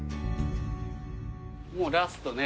もうラストね。